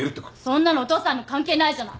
そんなのお父さんに関係ないじゃない。